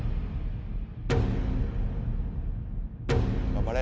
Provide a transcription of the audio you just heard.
頑張れ。